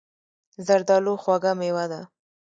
زردالو خوږه مېوه ده.